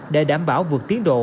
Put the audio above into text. để đảm bảo vượt tiến độ